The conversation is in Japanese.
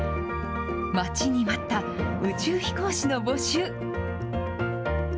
待ちに待った宇宙飛行士の募集。